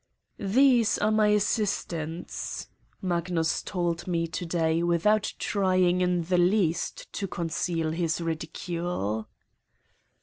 " These are my assistants," Magnus told me to day without trying in the least to conceal his ridicule.